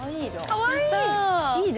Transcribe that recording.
かわいい！